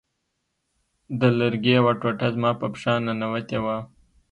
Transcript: د لرګي یوه ټوټه زما په پښه ننوتې وه